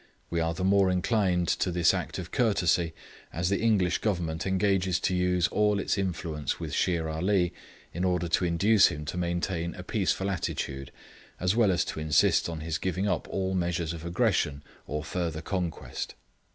We are the more inclined to this act of courtesy as the English Government engages to use all its influence with Shere Ali in order to induce him to maintain a peaceful attitude, as well as to insist on his giving up all measures of aggression or further conquest.